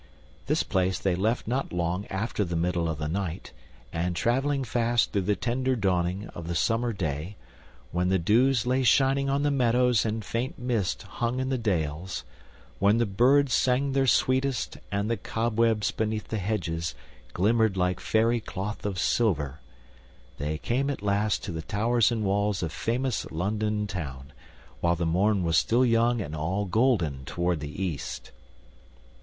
This place they left not long after the middle of the night, and traveling fast through the tender dawning of the summer day, when the dews lay shining on the meadows and faint mists hung in the dales, when the birds sang their sweetest and the cobwebs beneath the hedges glimmered like fairy cloth of silver, they came at last to the towers and walls of famous London Town, while the morn was still young and all golden toward the east.